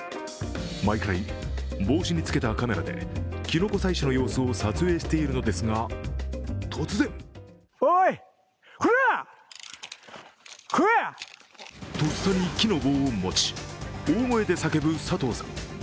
毎回、帽子につけたカメラできのこ採取の様子を撮影しているのですが、突然とっさに木の棒を持ち、大声で叫ぶ佐藤さん。